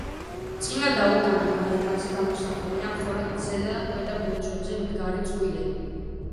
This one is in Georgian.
წინა და უკანა გარეკანზე გამოსახულია მხოლოდ ზედა და ქვედა ბორცვებზე მდგარი წყვილები.